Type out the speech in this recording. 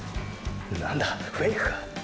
何だフェイクか。